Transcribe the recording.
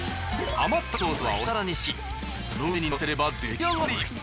余ったソースはお皿にしきその上にのせれば出来上がり。